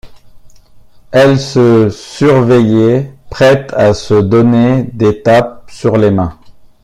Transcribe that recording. Elles se surveillaient, prêtes à se donner des tapes sur les mains.